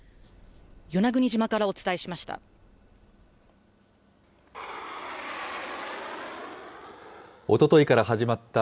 与那国島からお伝えしました。